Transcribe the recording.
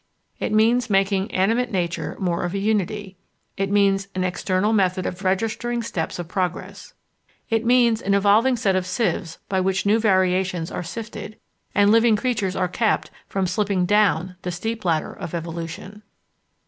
It means making Animate Nature more of a unity; it means an external method of registering steps of progress; it means an evolving set of sieves by which new variations are sifted, and living creatures are kept from slipping down the steep ladder of evolution.